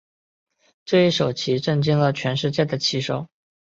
这一手棋震惊了全世界的棋手。